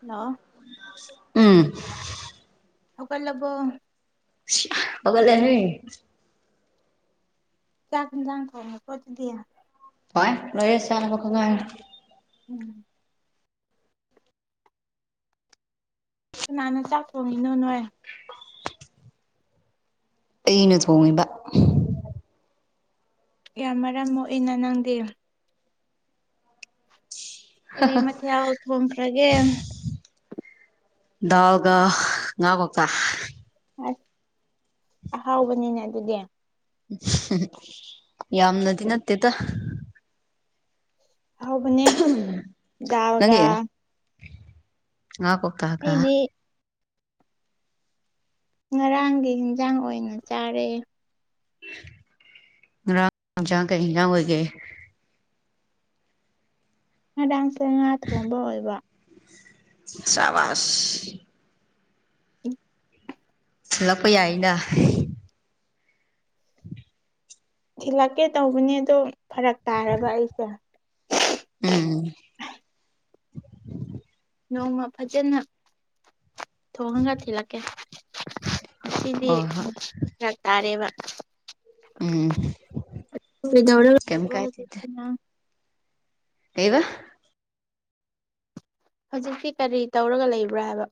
ꯂꯥꯛꯑꯣ ꯎꯝ ꯍꯧꯒꯠ ꯂꯕꯣ ꯍꯧꯒꯠꯂꯦꯍꯦ ꯆꯥꯛ ꯌꯦꯟꯁꯥꯡ‌ ꯊꯣꯡꯉꯕꯣ ꯑꯗꯨꯗꯤ ꯍꯣꯏ ꯂꯣꯏꯔꯦ ꯆꯅꯕ ꯈꯛ ꯉꯥꯏꯔꯦ ꯎꯝ ꯀꯅꯥꯅ ꯆꯥꯛ ꯊꯣꯡꯉꯤꯅꯣ ꯅꯣꯏ ꯑꯩꯅ ꯊꯣꯡꯉꯤꯕ ꯌꯥꯝ ꯃꯔꯝ ꯃꯣꯛꯏꯅ ꯅꯪꯗꯤ ꯀꯔꯤ ꯃꯊꯦꯜ ꯊꯣꯡꯈ꯭ꯔꯒꯦ ꯗꯥꯜꯒ ꯉꯥꯀꯧꯇ ꯑꯁ ꯑꯍꯥꯎꯕꯅꯤꯅꯦ ꯑꯗꯨꯗꯤ ꯌꯥꯝꯅꯗꯤ ꯅꯠꯇꯦꯗ ꯑꯍꯥꯎꯕꯅꯤ ꯗꯥꯜꯒ ꯅꯪꯒꯤ ꯉꯥ ꯀꯧꯇꯥꯒ ꯑꯩꯗꯤ ꯉꯔꯥꯡꯒꯤ ꯌꯦꯟꯖꯥꯡ ꯑꯣꯏꯅ ꯆꯥꯔꯦ ꯉꯔꯥꯡ ꯌꯦꯟꯖꯡ ꯀꯩ ꯏꯖꯡ ꯑꯣꯏꯒꯦ ꯉꯔꯥꯡꯁꯦ ꯉꯥ ꯊꯣꯡꯕ ꯑꯣꯏꯕ ꯁꯕꯥꯁ ꯎꯝ ꯊꯤꯂꯛꯄ ꯌꯥꯏꯅ [inaudible] ꯊꯤꯜꯂꯛꯀꯦ ꯇꯧꯕꯅꯦ ꯑꯗꯣ ꯐꯔꯛ ꯇꯥꯔꯕ ꯑꯩꯁꯦ ꯎꯝ ꯅꯣꯡꯃ ꯐꯖꯅ ꯊꯣꯉꯒ ꯊꯤꯂꯛꯀꯦ ꯉꯁꯤꯗꯤ ꯍꯣꯏ ꯍꯣꯏ ꯐꯔꯛ ꯇꯥꯔꯦꯕ ꯎꯝ ꯀꯩꯗꯧꯔ ꯀꯩꯝ ꯂꯩꯕ꯭ꯔꯣ ꯀꯥꯏꯗꯦꯗ ꯍꯧꯖꯤꯛꯇꯤ ꯅꯪ ꯀꯩꯕ ꯍꯧꯖꯤꯛꯇꯤ ꯀꯔꯤ ꯇꯧꯔꯒ ꯂꯩꯕ꯭ꯔꯥ ꯍꯥꯏꯕ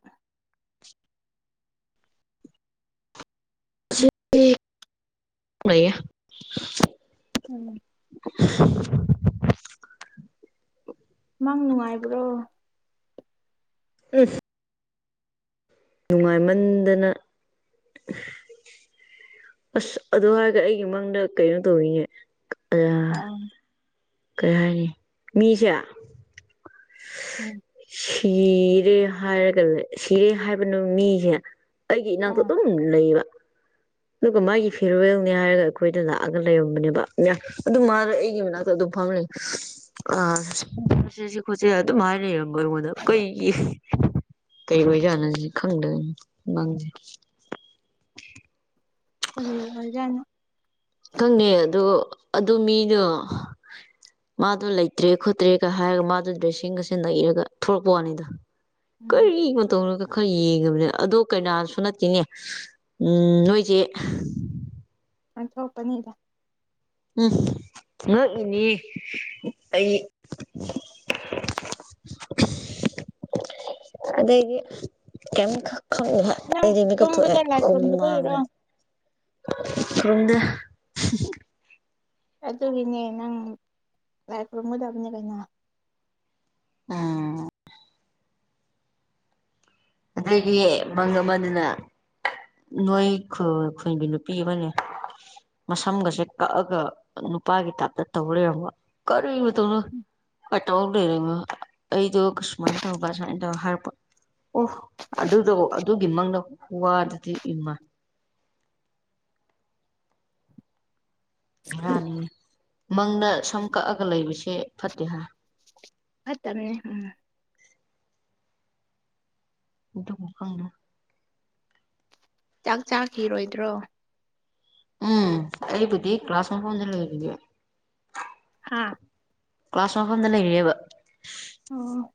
[unintelligible] ꯂꯩꯌꯦ ꯎꯝ [inaudible] ꯃꯪ ꯅꯨꯡꯉꯥꯏꯕ꯭ꯔꯣ ꯎꯝ ꯅꯨꯡꯉꯥꯏꯃꯟꯗꯅ ꯑꯁ ꯑꯗꯨ ꯍꯥꯏꯔꯒ ꯑꯩꯒꯤ ꯃꯪꯗ ꯀꯩꯅꯣ ꯇꯧꯋꯤꯅꯦ ꯑꯌꯥ ꯑꯥꯝ ꯀꯩ ꯍꯥꯏꯅꯤ ꯃꯤꯁꯦ ꯎꯝ ꯁꯤꯔꯦ ꯍꯥꯏꯔꯒ ꯂꯩ ꯁꯤꯔꯦ ꯍꯥꯏꯕꯅ ꯃꯤꯁꯦ ꯑꯩꯒꯤ ꯏꯅꯥꯛꯇ ꯑꯥ ꯑꯗꯨꯝ ꯂꯩꯕ ꯑꯗꯨꯒ ꯃꯥꯒꯤ ꯐꯤꯔꯋꯦꯜꯅꯤ ꯍꯥꯏꯔꯒ ꯑꯩꯈꯣꯏꯗ ꯂꯥꯛꯑꯒ ꯂꯩꯔꯝꯕꯅꯦꯕ ꯑꯗꯨ ꯃꯥ ꯑꯩꯒꯤ ꯃꯅꯥꯛꯇ ꯑꯗꯨꯝ ꯐꯝꯔꯩ ꯑ ꯆꯁꯦ ꯈꯣꯠꯁꯦ ꯑꯗꯨꯝ ꯍꯥꯏꯅꯔꯝꯕ ꯑꯩꯉꯣꯟꯗ ꯀꯩꯒꯤ ꯀꯩ ꯑꯣꯏꯖꯠꯅꯣꯁꯤ ꯈꯪꯗꯦ ꯃꯪꯁꯦ [unintelligible] ꯑꯣꯏꯖꯠꯅꯣ ꯈꯪꯗꯦ ꯑꯗꯣ ꯑꯗꯨ ꯃꯤꯗꯣ ꯃꯥꯗꯣ ꯂꯩꯇ꯭ꯔꯦ ꯈꯣꯠꯇ꯭ꯔꯦꯒ ꯍꯥꯏꯔꯒ ꯃꯥꯗꯨ ꯗ꯭ꯔꯦꯁꯁꯤꯡꯒꯁꯤ ꯅꯩꯔꯒ ꯊꯣꯛꯂꯛꯄ ꯋꯥꯅꯤꯗ ꯎꯝ ꯀꯔꯤ ꯃꯇꯧꯅꯣꯒ ꯈꯔ ꯌꯦꯡꯉꯕꯅꯤ ꯑꯗꯣ ꯀꯩꯅꯥꯁꯨ ꯅꯠꯇꯦꯅꯦ ꯎꯝ ꯅꯣꯏꯁꯦ ꯑꯣꯟꯊꯣꯛꯄꯅꯤꯗ ꯎꯝ ꯉꯛꯏꯅꯤ ꯑꯩ [inaudible] ꯑꯗꯩꯗꯤ ꯀꯝ ꯀ ꯈꯕ ꯅꯪ ꯑꯩꯗꯤ ꯃꯤꯀꯞ ꯊꯣꯛꯑꯦ ꯇꯨꯝꯕꯗ ꯂꯥꯏ ꯍꯨꯝ ꯈꯨꯔꯨꯝꯗꯕꯒꯤꯔꯣ ꯃꯥꯡꯅ ꯈꯪꯗꯦ ꯑ ꯑꯗꯨꯒꯤꯅꯦ ꯅꯪ ꯂꯥꯏ ꯈꯨꯔꯨꯝꯒꯗꯝꯅꯤ ꯀꯩꯅꯣ ꯑꯝ ꯑꯗꯒꯤ ꯃꯪꯒ ꯑꯃꯗꯨꯅ ꯅꯣꯏ ꯈꯨꯜ ꯈꯨꯜꯒꯤ ꯅꯨꯄꯤ ꯑꯃꯅꯦ ꯃꯁꯝꯒꯁꯦ ꯀꯛꯑꯒ ꯅꯨꯄꯥꯒꯤ ꯇꯥꯏꯞꯇ ꯇꯧ ꯂꯩꯔꯝꯕ ꯀꯔꯤ ꯃꯇꯧꯅꯣ ꯫ ꯀꯩꯇꯧ ꯂꯩꯔꯤꯃ‌ꯣ ꯑꯩꯗꯨ ꯀꯁꯃꯥꯏꯟ ꯇꯧꯕ ꯁꯃꯥꯏ ꯇꯧ ꯍꯥꯔꯛꯄ ꯫ ꯑꯣ ꯑꯗꯨꯗꯣ ꯑꯗꯨꯒꯤ ꯃꯪꯗ‌ꯣ ꯈꯨꯋꯥꯗꯨꯗꯤ ꯏꯝꯃꯥ ꯫ ꯕꯤꯔꯥꯅꯤ ꯃꯪꯗ ꯁꯝ ꯀꯛꯑꯒ ꯂꯩꯕꯁꯦ ꯐꯠꯇꯦ ꯍꯥꯏ ꯫ ꯐꯠꯇꯝꯅ‌ꯦ ꯎꯝ ꯗꯨꯕꯨ ꯈꯪꯗ‌ꯦ ꯆꯥꯛ ꯆꯥꯈꯤꯔꯣꯏꯗ꯭ꯔꯣ? ꯎꯝ ꯑꯩꯕꯨꯗꯤ ꯀ꯭ꯂꯥꯁ ꯃꯐꯝꯗ ꯂꯩꯔꯤꯌ‌ꯦ ꯫ ꯍꯥꯥ ꯀ꯭ꯂꯥꯁ ꯃꯐꯝꯗ ꯂꯩꯔꯤꯌ‌‌ꯦꯕ ꯫ ꯎꯝ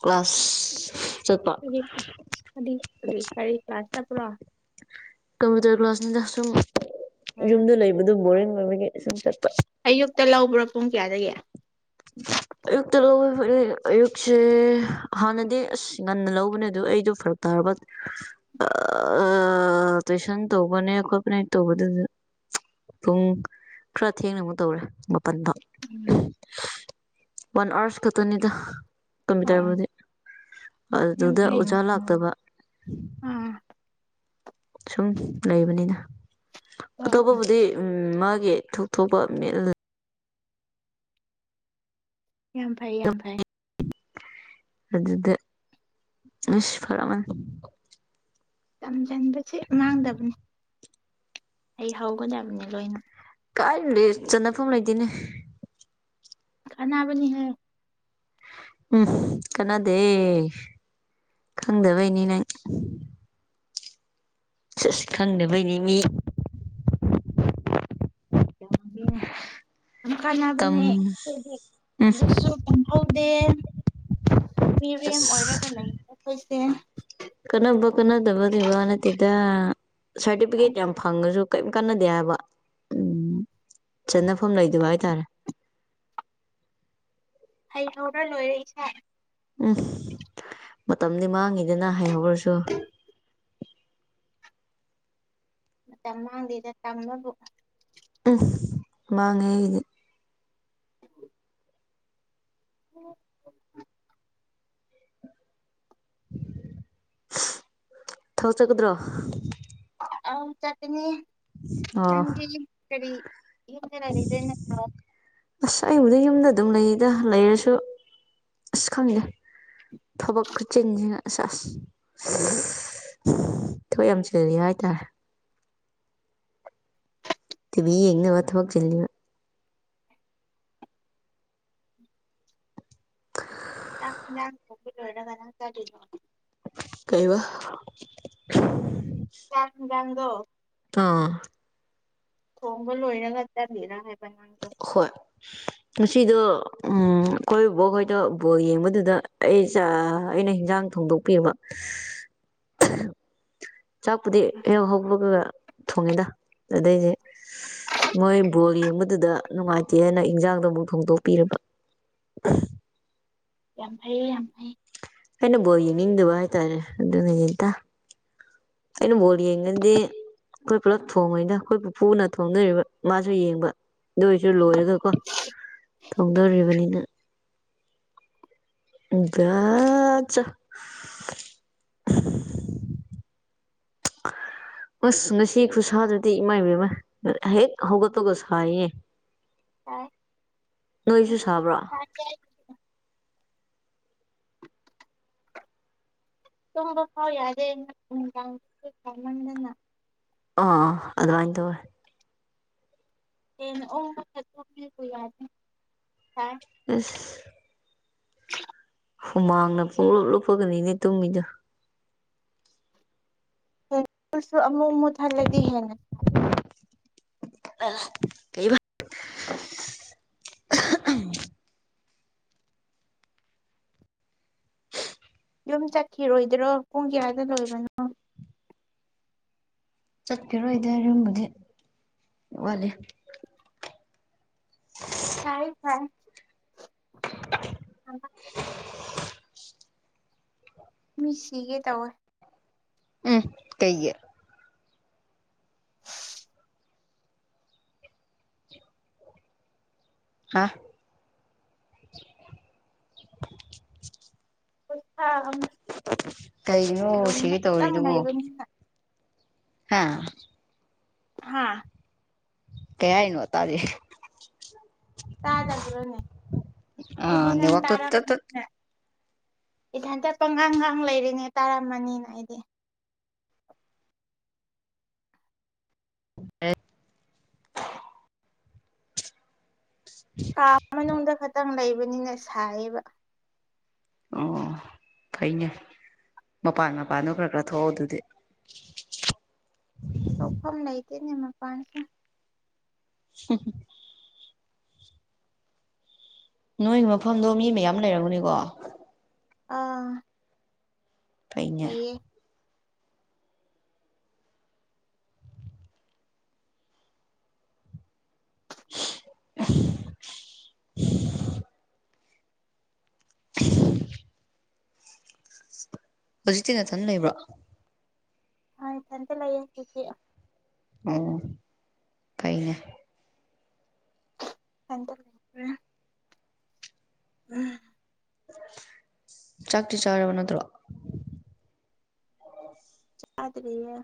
ꯀ꯭ꯂꯥꯁ ꯆꯠꯄ [unintelligible] ꯀꯔꯤ ꯀꯔꯤ ꯀ꯭ꯂꯥꯁ ꯆꯠꯄ꯭ꯔꯣ? ꯀꯝꯄ꯭ꯌꯨꯇꯔ ꯀ꯭ꯂꯥꯁꯅꯤꯅ ꯁꯨꯝ ꯎꯝ ꯌꯨꯝꯗ ꯂꯩꯕꯗꯨ ꯕꯣꯔꯤꯡ ꯑꯣꯏꯕꯒꯤ ꯁꯨꯝ ꯆꯠꯄ ꯫ ꯑꯌꯨꯛꯇ ꯂꯧꯕ꯭ꯔꯥ ꯄꯨꯡ ꯀꯌꯥꯗꯩ? ꯑꯌꯨꯛꯇ ꯂꯧꯕꯅ‌‌ꯦ ꯑꯌꯨꯛꯁꯦ ꯍꯥꯟꯅꯗꯤ ꯑꯁ ꯉꯟꯅ ꯂꯧꯕꯅꯦ ꯑꯗꯨ ꯑꯩꯗꯣ ꯐꯔꯛ ꯇꯔꯕꯥ ꯑꯥ ꯇꯨꯏꯁꯟ ꯇꯧꯕꯅꯦ ꯈꯣꯠꯄꯅꯦ ꯇꯧꯕꯗꯨꯗ ꯫ ꯄꯨꯡ ꯈꯔ ꯊꯦꯡꯅ ꯑꯃꯨꯛ ꯇꯧꯔꯦ ꯃꯥꯄꯟꯐꯥꯎ ꯫ ꯎꯝ ꯋꯥꯟ ꯑꯋꯥꯔꯁ ꯈꯛꯇꯅꯤꯗ ꯫ ꯑꯣ ꯀꯝꯄ꯭ꯌꯨꯇꯔꯕꯨꯗꯤ ꯌꯥꯝ ꯑꯗꯨꯗ ꯐꯩ ꯑꯣꯖꯥ ꯂꯥꯛꯇꯕ ꯫ ꯑꯥ ꯁꯨꯝ ꯂꯩꯕꯅꯤꯅ ꯑꯣ ꯑꯇꯣꯞꯄꯕꯨꯗꯤ ꯎꯝ ꯃꯥꯒꯤ ꯊꯣꯛꯊꯣꯛꯄ ꯃꯦꯠ ꯌꯥꯝ ꯐꯩ ꯌꯥꯝ ꯐꯩ ꯫ ꯑꯗꯨꯗ ꯑꯁ ꯐꯔꯝꯃ ꯇꯝꯁꯤꯟꯕꯁꯦ ꯃꯥꯡꯗꯕꯅꯤ ꯫ ꯍꯩ ꯍꯧꯒꯗꯕꯅꯦ ꯂꯣꯏꯅ ꯫ ꯀꯥꯏ ꯂꯩ ꯆꯟꯅꯐꯝ ꯂꯩꯇ‌‌ꯦꯅꯦ ꯫ ꯀꯥꯟꯅꯥꯕꯅꯤ ꯍ‌ꯦ ꯫ ꯎꯝ ꯀꯅꯥꯗꯦ ꯈꯪꯗꯕꯩꯅꯤ ꯅꯪ ꯫ ꯁꯤꯁ ꯈꯪꯗꯕꯩꯅꯤ ꯃꯤ ꯫ [inaudible] ꯌꯥꯝ ꯇꯝ ꯀꯥꯟꯅꯕꯅꯦ ꯈ‌ꯣꯏꯗꯤ ꯑꯗꯨꯁꯨ ꯇꯝꯍꯧꯗꯦ ꯫ ꯃꯤꯔꯦꯝ ꯑꯁ ꯑꯣꯏꯔꯒ ꯂꯩ ꯑꯩꯈꯣꯏꯁꯦ ꯫ ꯀꯥꯟꯅꯕ ꯀꯥꯟꯅꯗꯕꯗꯨꯏ ꯋꯥ ꯅꯠꯇꯦꯗ ꯁꯥꯔꯇꯤꯐꯤꯀꯦꯠ ꯌꯥꯝ ꯐꯪꯉꯁꯨ ꯀꯔꯤꯝ ꯀꯥꯟꯅꯗꯦ ꯍꯥꯏꯕ ꯎꯝ ꯆꯟꯅꯐꯝ ꯂꯩꯗꯕ ꯍꯥꯏꯇꯥꯔꯦ ꯫ ꯍꯩ ꯍꯧꯔ ꯂꯣꯏꯔ‌ꯦ ꯏꯁꯥ ꯫ ꯎꯝ ꯃꯇꯝꯗꯤ ꯃꯥꯡꯉꯤꯗꯅ ꯍꯩꯍꯧꯔꯁꯨ ꯫ ꯃꯇꯝ ꯃꯥꯡꯗꯦꯗ ꯇꯝꯕꯕꯨ ꯫ ꯎꯝ ꯃꯥꯡꯉꯦ ꯑꯩꯗꯤ ꯫ [inaudible] ꯊꯕꯛ ꯆꯀꯗ꯭ꯔꯣ? ꯑꯥꯎ ꯆꯥꯠꯀꯅꯤ ꯑꯣ ꯅꯪꯗꯤ ꯀꯔꯤ? [unintelligible] ꯅꯠꯇ꯭ꯔ‌ꯣ ꯑꯁ ꯑꯩꯕꯨꯗ ꯌꯨꯝꯗ ꯑꯗꯨꯝ ꯂꯩꯗ ꯂꯩꯔꯁꯨ ꯑꯁ ꯈꯪꯗꯦ ꯫ ꯊꯕꯛ ꯈꯨꯆꯤꯟꯁꯤꯅ ꯑꯁꯁ ꯊꯕꯛ ꯌꯥꯝ ꯆꯤꯜꯂꯤ ꯍꯥꯏꯇꯥꯔꯦ ꯇꯤꯚꯤ ꯌꯦꯡꯅꯕ ꯊꯕꯛ ꯆꯤꯜꯂꯤꯕꯥ [unintelligible] ꯀꯩ ꯋꯥ ꯆꯥꯛ ꯍꯤꯟꯖꯥꯥꯡ ꯗꯣ ꯇꯣꯔ ꯊꯣꯡꯕ ꯂꯣꯏꯅꯒ ꯆꯠꯂꯤꯔꯥ ꯍꯥꯏꯕ ꯅꯪꯗꯣ ꯍꯣꯏ ꯉꯁꯤꯗꯣ ꯎꯝ ꯑꯩꯈꯣꯏ ꯕꯨꯕꯣꯛ ꯍꯣꯏꯗꯣ ꯕꯣꯜ ꯌꯦꯡꯕꯗꯨꯗ ꯑꯩ ꯑꯩꯅ ꯍꯤꯟꯖꯥꯡ ꯊꯣꯡꯗꯣꯛꯄꯤꯕ [inaudible] ꯆꯥꯛꯄꯨꯗꯤ ꯍꯦꯛ [unintelligible] ꯊꯣꯡꯉꯦꯗ ꯑꯗꯨꯗꯩꯗꯤ ꯃꯣꯏ ꯕꯣꯜ ꯌꯦꯡꯕꯗꯨꯗ ꯅꯨꯡꯉꯥꯏꯇꯦꯅ ꯏꯟꯖꯥꯡꯗꯣ ꯑꯃꯨꯛ ꯊꯣꯡꯗꯣꯛꯄꯤꯔꯕ [inaudible] ꯌꯥꯝ ꯐꯩꯌꯦ ꯌꯥꯝ ꯐꯩ ꯑꯩꯅ ꯕꯣꯜ ꯌꯦꯡꯅꯤꯡꯗꯕ ꯍꯥꯏꯇꯥꯔꯦ ꯑꯗꯨꯅ ꯌꯦꯇ ꯑꯩꯅ ꯕꯣꯜ ꯌꯦꯡꯒꯟꯗꯦ ꯈꯣꯏ ꯄꯨꯜꯂꯞ ꯊꯣꯡꯉꯦ ꯗ ꯑꯩꯈꯣꯏ ꯄꯨ ꯄꯨꯅ ꯊꯣꯡꯗꯧꯔꯤꯕ ꯃꯥꯁꯨ ꯌꯦꯡꯕ ꯑꯗꯨꯑꯣꯏꯁꯨ ꯂꯣꯏꯔꯒꯀꯣ ꯊꯣꯡꯗꯧꯔꯤꯕꯅꯤꯅ [unintelligible] [inaudible] ꯑꯁ ꯉꯁꯤ ꯈꯨꯠꯁꯥꯗꯨꯗꯤ ꯏꯃꯥꯏ ꯄꯦꯝꯃ ꯍꯦꯛ ꯍꯧꯒꯠꯄꯒ ꯁꯥꯏꯌꯦ ꯑ [unintelligible] ꯅꯣꯏꯁꯨ ꯁꯥꯕ꯭ꯔꯣ ꯀꯩ ꯇꯨꯡꯕ ꯐꯥꯎ ꯌꯥꯗꯦ ꯅꯨꯡꯗꯥꯡ ꯐꯥꯎ ꯁꯃꯟꯗꯅ ꯑꯥ ꯑꯗꯨꯃꯥꯏ ꯇꯧꯋꯦ [unintelligible] [unintelligible] ꯍꯨꯃꯥꯡꯅ ꯄꯨꯡꯂꯞ ꯂꯨꯞꯄꯒꯅꯤ ꯅꯦ ꯇꯨꯝꯃꯤꯗꯣ [unintelligible] ꯑꯃꯨꯛ ꯃꯨꯊꯠꯂꯗꯤ ꯍꯦꯟꯅ ꯁꯥꯒꯅꯤ ꯑ ꯌꯨꯝ ꯆꯠꯈꯤꯔꯣꯏꯗ꯭ꯔꯣ ꯄꯨꯡ ꯀꯌꯥꯏꯗ ꯂꯣꯏꯕꯅꯣ ꯆꯠꯈꯤꯔꯣꯏꯗ ꯔꯨꯝꯕꯨꯗꯤ ꯋꯥꯠꯂꯤ [unintelligible] ꯁꯥꯏꯌꯦ ꯁꯥꯏꯌꯦ ꯃꯤ ꯁꯤꯒꯦ ꯇꯧꯋꯦ ꯎꯝ ꯀꯩꯒꯤ ꯍꯥ [unintelligible] ꯀꯩꯒꯤꯅꯣ ꯔꯨꯝꯗ ꯁꯤꯒꯦ ꯈꯤꯇꯪ ꯇꯧꯔꯤꯗꯨꯕꯨ ꯂꯩꯕꯅꯤꯅ ꯍꯥꯥ ꯍꯥꯥ ꯀꯩ ꯍꯥꯏꯅꫭ ꯇꯥꯗꯦ ꯇꯥꯗꯕ꯭ꯔꯣꯅꯦ ꯑꯩꯗꯤ ꯑꯥ ꯅꯪ ꯅꯦꯠꯋꯥꯛꯇꯣ ꯇꯠ ꯇꯠ ꯇꯥꯔꯝꯃꯅꯤꯅ ꯏꯊꯟꯇ ꯄꯪꯉꯥꯡ ꯉꯥꯡ ꯂꯩꯔꯦꯅꯦ ꯇꯥꯔꯝꯃꯅꯤꯅ ꯑꯩꯗꯤ ꯑꯦ ꯀꯥ ꯃꯅꯨꯡꯗ ꯈꯇꯪ ꯂꯩꯕꯅꯤꯅ ꯁꯥꯏꯌꯦꯕ ꯑꯣ ꯐꯩꯅꯦ ꯃꯄꯥꯟ ꯃꯄꯥꯟꯗꯣ ꯈꯔ ꯈꯔ ꯊꯣꯛꯑꯣ ꯑꯗꯨꯗꯤ ꯊꫭꯛꯐꯝ ꯂꯩꯇꯦꯅꯦ ꯃꯄꯥꯟꯁꯦ [inaudible] ꯅꯣꯏ ꯃꯐꯝꯗꯣ ꯃꯤ ꯃꯌꯥꯝ ꯂꯩꯔꯝꯒꯅꯤꯀꯣ ꯑꯥ ꯐꯩꯅꯦ ꯂꯩꯌꯦ [inaudible] [inaudible] ꯍꯧꯖꯤꯛꯇꯤ ꯅꯊꯟ ꯂꯩꯕ꯭ꯔꫭ ꯍꯥ ꯏꯊꯟꯇꯥ ꯂꯩꯌꯦ ꯍꯧꯖꯤꯛꯇꯤ ꯑꯣ ꯐꯩꯅꯦ ꯏꯊꯟꯇꯥ ꯂꯩ ꯎꯝ꯫ ꯆꯥꯛꯇꯤ ꯆꯥꯔꯕ ꯅꯠꯇ꯭ꯔꯣ ꯆꯥꯗ꯭ꯔꯤꯌꯦ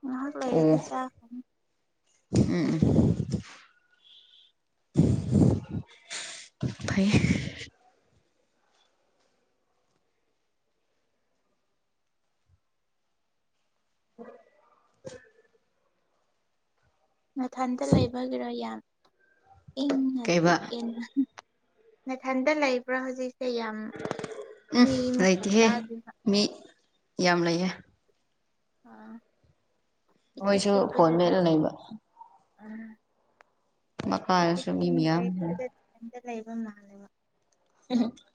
ꯉꯥꯏꯍꯥꯛ ꯂꯩꯔꯗꯤ ꯆꯥꯈ꯭ꯔꯥꯅꯤ ꯎꯝ꯫ ꯐꯩ [inaudible] ꯅꯊꯟꯇꯥ ꯂꯩꯕꯒꯤꯔꫭ ꯌꯥꯝ ꯏꯪꯅ ꯀꯩꯕ ꯆꯤꯛꯑꯦꯅ ꯅꯊꯟꯇꯥ ꯂꯩꯕ꯭ꯔꯥ ꯍꯧꯖꯤꯛꯁꯦ ꯌꯥꯝ ꯎꯝ ꯃꯤ ꯃꯈꯣꯟ ꯂꯩꯇꯦꯍꯦ ꯇꯥꯗ꯭ꯔꯤꯕ ꯃꯤ ꯌꯥꯝ ꯂꯩꯌꯦ ꯑꫭ ꯏꯆꯤꯛ ꯃꯣꯏꯁꯨ ꯐꯣꯟ ꯆꯤꯛꯄꯗꯨꯗ ꯃꯦꯠꯂ ꯂꯩꯕ ꯑ ꯃꯈꯥꯗꯁꯨ ꯃꯤ [unintelligible] ꯃꯌꯥꯝ ꯂꯩ ꯂꯩꯕꯝ ꯃꯥꯜꯂꯦꯕ [inaudible]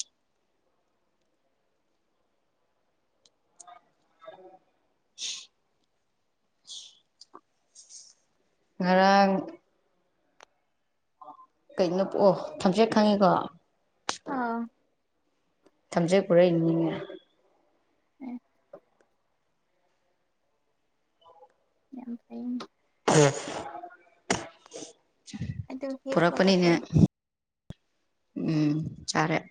[unintelligible] ꯉꯔꯥꯡ ꯀꯩꯅꯣ ꯄꯣꯛꯑꯣ ꯊꯝꯆꯦꯠ ꯈꯪꯉꯤꯀꯣ ꯑꯥ ꯊꯝꯖꯦꯠ ꯄꯨꯔꯛ ꯏ ꯅꯤꯅꯦ ꯎꯝ꯫ ꯌꯥꯝ ꯐꯩꯅꯦ ꯑꯗꯨ ꯍꯦꯛꯄꯒ ꯄꯨꯔꯛꯄꯅꯤꯅꯦ ꯆꯟ ꯎꯝ ꯆꯥꯔꯦ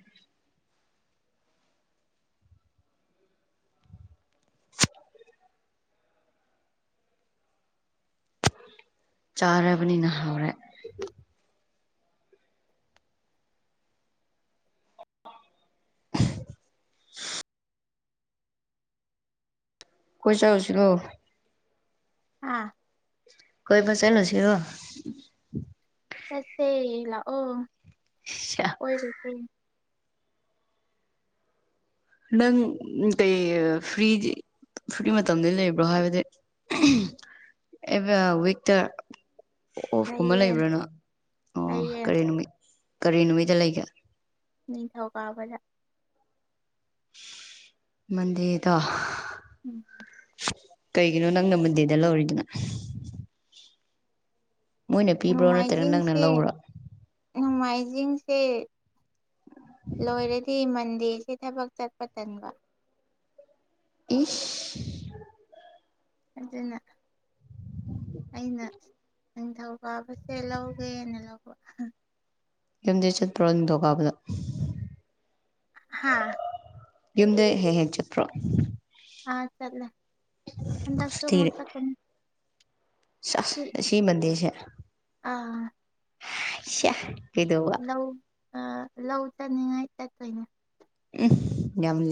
ꯆꯥꯔꯕꯅꯤꯅ ꯍꯧꯔꯦ [inaudible] [inaudible] ꯀꯣꯏ ꯆꯠꯂꯨꯁꯤꯔꫭ ꯍꯥ ꯀꯣꯏꯕ ꯆꯠꯂꯨꯁꯤꯔꫭ ꯆꯠꯁꯦ ꯂꯥꯛꯑꯣ ꯀꫭꯏꯔꯨꯁꯦ ꯅꯪ ꯎ ꯀ ꯐꯔꯤꯗꯤ ꯁꯨꯛꯀꯤ ꯃꯇꯝꯗ ꯂꯩꯕ꯭ꯔꯣ ꯍꯥꯏꯕꯗꯤ ꯑꯦꯕꯦꯜ ꯋꯤꯛꯇ ꯑꯣꯐ ꯀꯨꯝꯕ ꯂꯩꯌꯦ ꯂꯩꯕ꯭ꯔꯥꯅꯣ ꯑꯣ ꯂꯩꯌꯦ ꯀꯔꯤ ꯅꯨꯃꯤꯠ ꯀꯔꯤ ꯅꯨꯃꯤꯠꯇ ꯂꯩꯒꯦ ꯅꯤꯡꯊꯧ ꯀꯥꯕꯗ ꯃꯟꯗꯤꯗꯣ ꯎꯝ ꯀꯩꯒꯤꯅꯣ ꯅꯪꯅ ꯃꯨꯟꯗꯦꯗ ꯂꯧꯔꯤꯗꯅ ꯃꯣꯏꯅ ꯄꯤꯕ꯭ꯔꯣ ꯅꯠꯇ꯭ꯔꯒ ꯅꯪꯅ ꯅꯣꯡꯃꯥꯏꯖꯤꯡꯁꯦ ꯂꯧꯕ꯭ꯔꯣ ꯅꯣꯡꯃꯥꯏꯖꯤꯡꯁꯦ ꯂꯣꯏꯔꯗꯤ ꯃꯟꯗꯦꯁꯦ ꯊꯕꯛ ꯆꯠꯄ ꯊꯟꯕ ꯏꯁ ꯑꯗꯨꯅ ꯑꯩꯅ ꯅꯤꯡꯊꯧ ꯀꯥꯕꯁꯦ ꯂꯧꯒꯦꯅ ꯂꯧꯕ ꯌꯨꯝꯗꯤ ꯆꯠꯄ꯭ꯔꯣ ꯅꯤꯡꯊꯧꯀꯥꯕꯗ ꯍꯥꯥ ꯌꯨꯝꯗ ꯍꯦꯛ ꯍꯦꯛ ꯆꯠꯄꯔꯣ ꯑꯥ ꯆꯠꯂꯦ‌ ꯍꯟꯗꯛꯁꯨ ‌‌ꯑꯃꯨꯛ ꯆꯠꯀꯅꯤ ꯁꯤꯌꯥꯁ ꯉꯥꯁꯤ‌ ꯃꯟꯗꯦꯁꯦ ꯑ ꯁꯤꯌꯥ ꯀꯩꯗꯧꯕ ꯅꯧ ꯑ ꯂꯧ ꯆꯠꯅꯤꯡꯉꯥꯏ ꯆꯠꯇꯣꯏꯅꯦ ꯎꯝ ꯌꯥꯝ